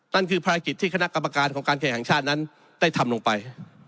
นั่นคือภารกิจที่คณะกรรมการของการแข่งชาตินั้นได้ทำลงไป